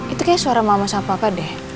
itu kayak suara mama sama siapa deh